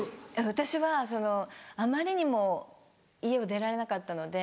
私はそのあまりにも家を出られなかったので。